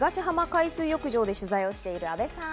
海水浴場で取材をしている阿部さん。